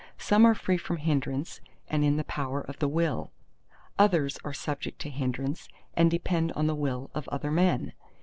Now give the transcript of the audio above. Some are free from hindrance and in the power of the will. Other are subject to hindrance, and depend on the will of other men.